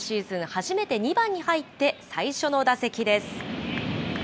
初めて２番に入って、最初の打席です。